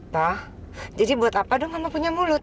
pak jadi buat apa dong mama punya mulut